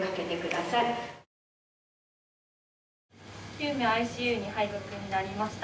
救命ＩＣＵに配属になりました。